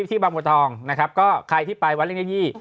ที่บำวัดทองนะครับก็ใครที่ไปวัดเล็กนิยยี่